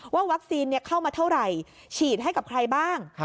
วัคซีนเข้ามาเท่าไหร่ฉีดให้กับใครบ้าง